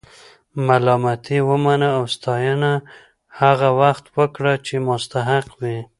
ملامتي ومنه او ستاینه هغه وخت ورکړه چې مستحق وي.